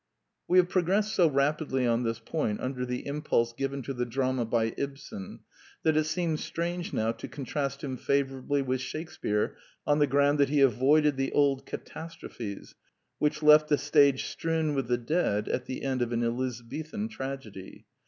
We have progressed so rapidly on this point under the impulse given to the drama by Ibsen that it seems strange now to contrast him favor ably with Shakespear on the ground that he avoided the old catastrophes which left the stage strewn with the dead at the end of an Elizabethan tragedy.